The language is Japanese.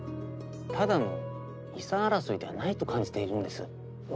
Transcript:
ただの遺産争いではないと感じているんですよ。